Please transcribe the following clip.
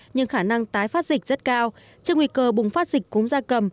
nhưng khả năng tái phát dịch rất cao trước nguy cơ bùng phát dịch cúm da cầm